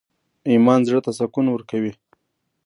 ایمان زړه ته سکون ورکوي